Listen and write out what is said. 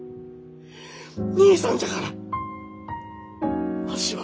兄さんじゃからわしは。